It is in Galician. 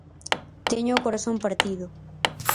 Teño o corazón partido.